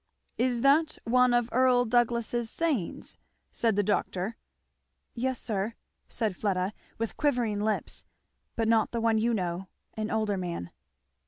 "Is that one of Earl Douglass's sayings?" said the doctor. "Yes sir," said Fleda with quivering lips, "but not the one you know an older man."